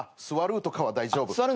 座るとかは大丈夫。